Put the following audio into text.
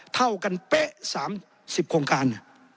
เท่ากันเป๊ะสามสิบโครงการ